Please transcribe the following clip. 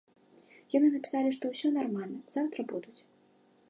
Яны напісалі, што ўсё нармальна, заўтра будуць.